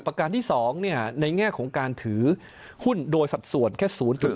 ประการที่๒ในแง่ของการถือหุ้นโดยสัดส่วนแค่๐๘